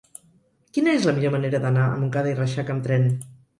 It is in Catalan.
Quina és la millor manera d'anar a Montcada i Reixac amb tren?